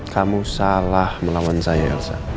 kamu salah melawan saya elsa